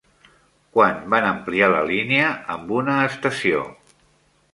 Quan van ampliar la línia amb una estació?